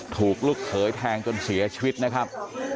ลูกเขยแทงจนเสียชีวิตนะครับ